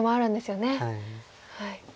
はい。